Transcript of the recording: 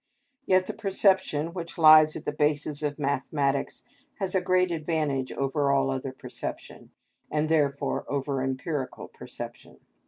Yet the perception which lies at the basis of mathematics has a great advantage over all other perception, and therefore over empirical perception.